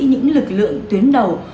những lực lượng tuyến đầu